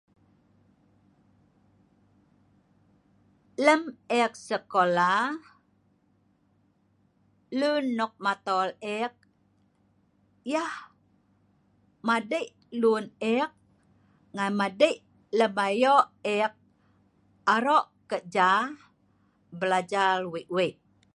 Lem ek sekolah lun nok matol ek, yah madei luun ek ngan madei lem ayo ek aro kerja belajar wei-wei